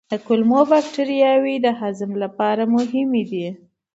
کولمو بکتریاوې د هضم لپاره مهمې دي.